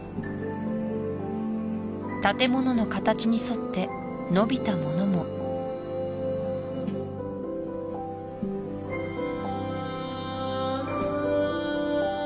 建物の形に沿って伸びたものもここはある王が